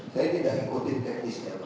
saya tidak ikuti teknisnya pak